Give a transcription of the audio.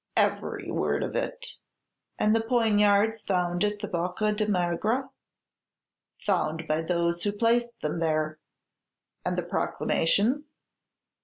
"Every word of it." "And the poniards found at the Bocca di Magra?" "Found by those who placed them there." "And the proclamations?"